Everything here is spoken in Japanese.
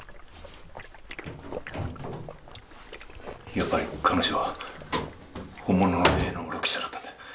やっぱり彼女は本物の霊能力者だったんだ。